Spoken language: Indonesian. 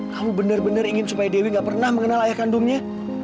kamu benar benar ingin supaya dewi gak pernah mengenal ayah kandungnya